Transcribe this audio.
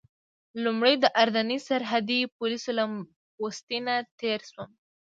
لومړی د اردني سرحدي پولیسو له پوستې نه تېر شوم.